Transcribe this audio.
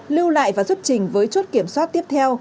lưu lại và xuất trình với chốt kiểm soát tiếp theo